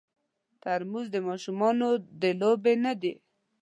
ترموز د ماشومانو د لوبې نه دی.